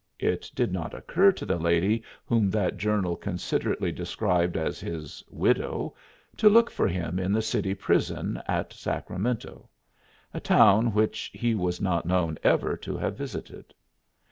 It did not occur to the lady whom that journal considerately described as his "widow," to look for him in the city prison at Sacramento a town which he was not known ever to have visited.